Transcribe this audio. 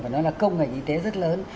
và nó là công ngành y tế rất lớn